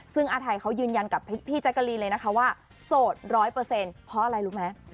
ซึ่งอาทัยเขายืนยันกับพี่จักรินเลยว่าโสด๑๐๐เพราะอะไรรู้มั้ย